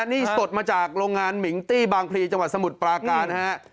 นี่สดมาจากโรงงานมิงตี้บางพลีจังหวัดสมุทรปราการนะฮะ